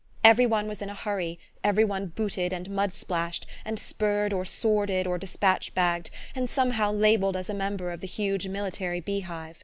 Every one was in a hurry, every one booted and mudsplashed, and spurred or sworded or despatch bagged, or somehow labelled as a member of the huge military beehive.